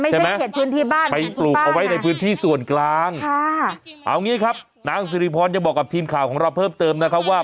ใช่ไหมไปปลูกเอาไว้ในพื้นที่ส่วนกลางเอาอย่างนี้ครับนางซิริพรจะบอกกับทีมข่าวของเราเพิ่มเติมนะคะว่า